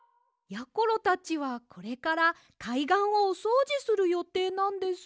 やころたちはこれからかいがんをおそうじするよていなんです。